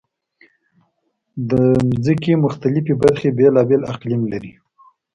د ځمکې مختلفې برخې بېلابېل اقلیم لري.